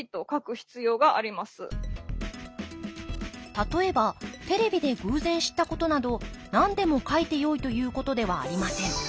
例えばテレビで偶然知ったことなど何でも書いてよいということではありません。